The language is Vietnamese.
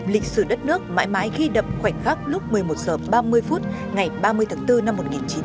lịch sử đất nước mãi mãi ghi đậm khoảnh khắc lúc một mươi một h ba mươi phút ngày ba mươi tháng bốn năm một nghìn chín trăm bảy mươi năm